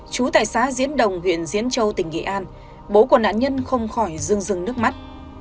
chú tài xá diễn đồng huyện diễn châu tỉnh nghệ an bố của nạn nhân không khỏi rưng rừng nước mắt